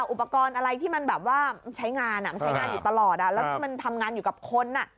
อุปกรณ์อะไรที่มันใช้งานอยู่ตลอดและมันทำงานอยู่กับคน